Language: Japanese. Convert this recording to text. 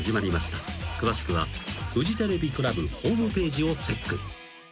［詳しくはフジテレビクラブホームページをチェック］